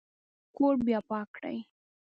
کور بیا پاک کړئ